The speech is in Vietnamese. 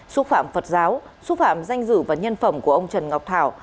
xúc phạm phật giáo xúc phạm danh dự và nhân phẩm của ông trần ngọc thảo